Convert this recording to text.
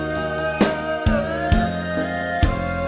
ขอบคุณครับ